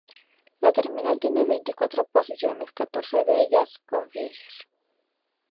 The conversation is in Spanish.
La terminal tiene veinticuatro posiciones, catorce de ellas con finger.